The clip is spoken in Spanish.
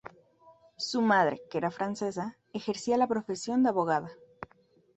Su madre, que era francesa, ejercía la profesión de abogada.